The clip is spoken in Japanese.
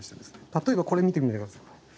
例えばこれ見てみて下さい。